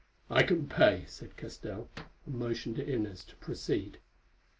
"I can pay," said Castell, and motioned to Inez to proceed.